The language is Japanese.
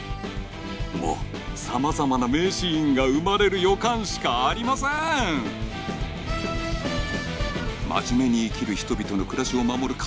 もう様々な名シーンが生まれる予感しかありません素晴らしい！